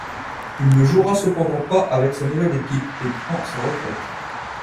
Il ne jouera cependant pas avec sa nouvelle équipe et prend sa retraite.